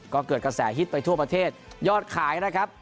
ก็เกิดกระแสฮิตไปทั่วประเทศยอดขายนะครับ